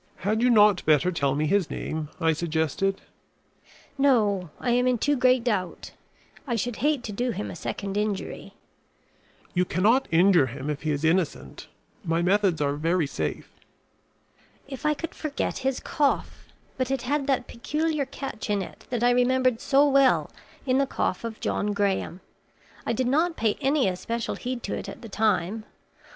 "Had you not better tell me his name?" I suggested. "No, I am in too great doubt. I should hate to do him a second injury." "You cannot injure him if he is innocent. My methods are very safe." "If I could forget his cough! but it had that peculiar catch in it that I remembered so well in the cough of John Graham. I did not pay any especial heed to it at the time.